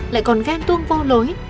lại còn ghen tuông vô lối